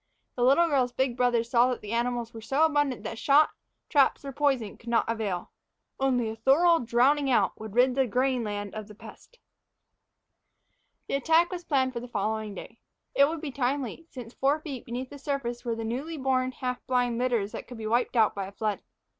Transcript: The little girl's big brothers saw that the animals were so abundant that shot, traps, or poison would not avail only a thorough drowning out would rid the grain land of the pest. The attack was planned for the following day. It would be timely, since four feet beneath the surface were the newly born, half blind litters that could be wiped out by a flood.